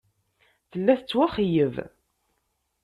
Tella tettwaxeyyeb.